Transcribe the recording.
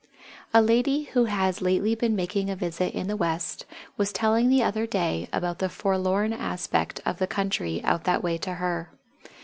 A lady who has lately been making a visit in the West was telling the other day about the forlorn aspect of the country out that way to her.